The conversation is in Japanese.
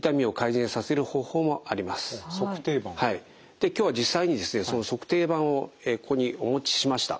で今日は実際にですねその足底板をここにお持ちしました。